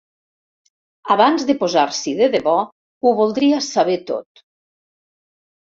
Abans de posar-s'hi de debò ho voldria saber tot.